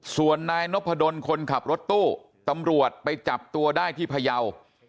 ส่วนนายนพดลคนขับรถตู้ตำรวจไปจับตัวได้ที่พยาว